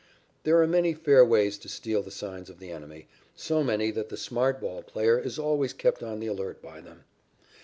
There are many fair ways to steal the signs of the enemy, so many that the smart ball player is always kept on the alert by them.